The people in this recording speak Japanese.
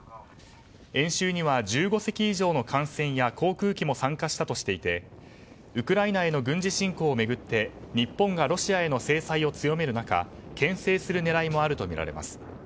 演習には１５隻以上の艦船や航空機も参加したとしていてウクライナへの軍事侵攻を巡って日本がロシアへの制裁を強める中牽制する狙いもあるとみられます。